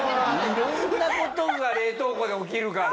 色んな事が冷凍庫で起きるから。